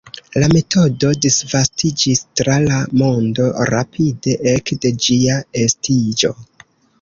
La metodo disvastiĝis tra la mondo rapide, ekde ĝia estiĝo.